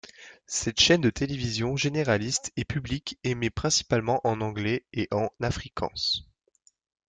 Cette chaîne de télévision généraliste et publique émet principalement en anglais et en afrikaans.